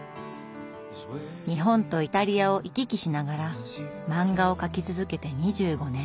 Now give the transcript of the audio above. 日本とイタリアを行き来しながら漫画を描き続けて２５年。